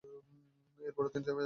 এর পরও তিনি থেমে যাননি।